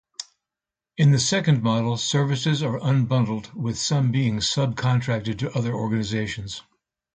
In the second model, services are unbundled, with some being sub-contracted to other organizations.